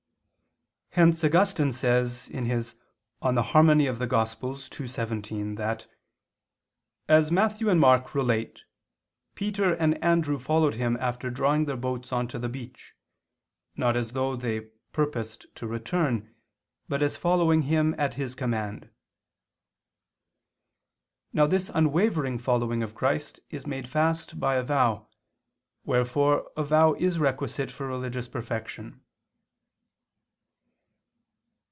Hence Augustine says (De Consensu Ev. ii, 17) that "as Matthew and Mark relate, Peter and Andrew followed Him after drawing their boats on to the beach, not as though they purposed to return, but as following Him at His command." Now this unwavering following of Christ is made fast by a vow: wherefore a vow is requisite for religious perfection.